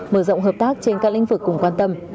mở rộng hợp tác trên các lĩnh vực cùng quan tâm